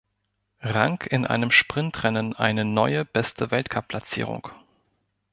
Rang in einem Sprintrennen eine neue beste Weltcup-Platzierung.